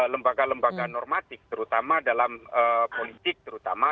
lembaga lembaga normatif terutama dalam politik terutama